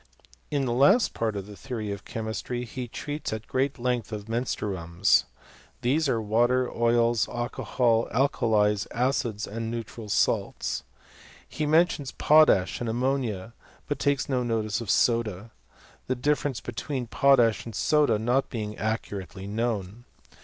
In the last part of the theory of chemistry he treats at great length of menstruams. These are water, oils, alcohol, alkalies, acids, and neutral salts. He mentions potash and ammonia, but takes no notice of soda ; the dtfierence between potash and soda not being accurately known.